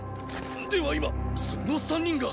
では今その三人が。